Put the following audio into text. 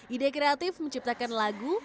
ide kreatif menciptakan lagu